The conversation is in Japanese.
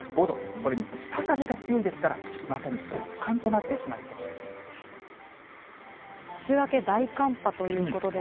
これ、北風が強いですから、まさに極寒となってしまいそうです。